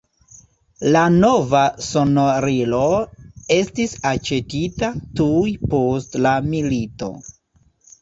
La nova sonorilo estis aĉetita tuj post la milito.